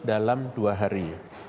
dalam dua hari